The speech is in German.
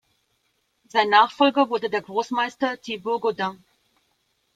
Sein Nachfolger wurde der Großmeister Thibaud Gaudin.